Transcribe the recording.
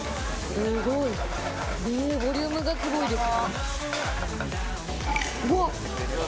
ボリュームがすごいです。